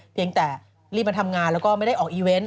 เพียงแต่รีบมาทำงานแล้วก็ไม่ได้ออกอีเวนต์